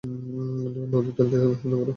নদীর তলদেশে অনুসন্ধান করো!